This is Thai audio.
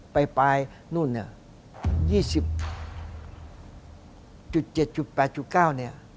ไปนู่น๒๐๗๘๙